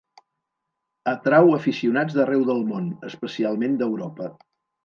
Atrau aficionats d'arreu del món, especialment d'Europa.